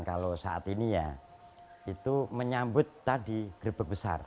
kalau saat ini ya itu menyambut tadi grebek besar